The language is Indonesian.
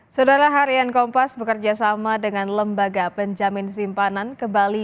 saudara harian kompas bekerja sama dengan lembaga penjamin simpanan ke bali